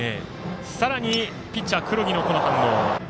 さらにピッチャー、黒木のこの反応。